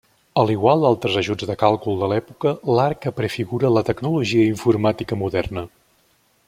A l'igual d'altres ajuts de càlcul de l'època, l'arca prefigura la tecnologia informàtica moderna.